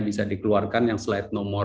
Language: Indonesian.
bisa dikeluarkan yang slide nomor